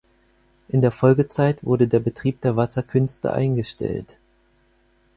In der Folgezeit wurde der Betrieb der Wasserkünste eingestellt.